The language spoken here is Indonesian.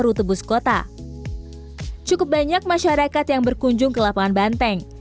rute bus kota cukup banyak masyarakat yang berkunjung ke lapangan banteng